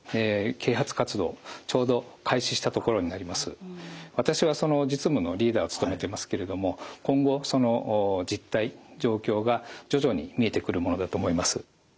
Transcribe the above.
日本でも私はその実務のリーダーを務めてますけれども今後その実態状況が徐々に見えてくるものだと思います。